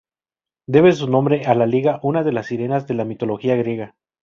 Debe su nombre a Ligia, una de las sirenas de la mitología griega.